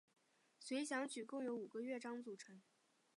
随想曲共有五个乐章组成。